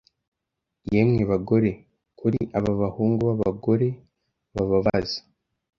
yemwe bagore kuri aba bahungu babagore bababaza